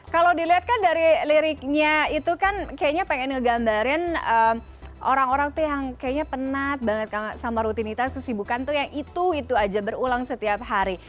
kalau dilihat kan dari liriknya itu kan kayaknya pengen ngegambarin orang orang tuh yang kayaknya penat banget sama rutinitas kesibukan tuh yang itu itu aja berulang setiap hari